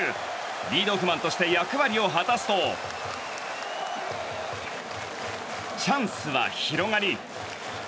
リードオフマンとして役割を果たすとチャンスは広がり